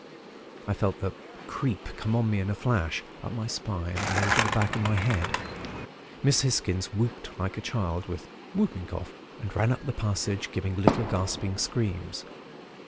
"I felt the 'creep' come on me in a flash, up my spine and over the back of my head. Miss Hisgins whooped like a child with whooping cough, and ran up the passage, giving little gasping screams.